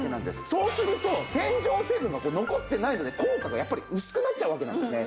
そうすると洗浄成分が残ってないので効果がやっぱり薄くなっちゃうわけなんですね。